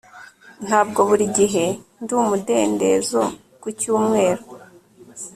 ntabwo buri gihe ndi umudendezo ku cyumweru